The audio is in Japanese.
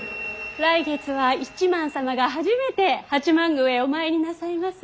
来月は一幡様が初めて八幡宮へお参りなさいます。